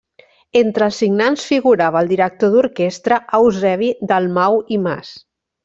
Entre els signants figurava el director d'orquestra Eusebi Dalmau i Mas.